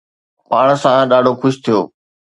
پاڻ سان ڏاڍو خوش ٿيو